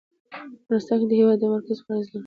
افغانستان کې د د هېواد مرکز په اړه زده کړه کېږي.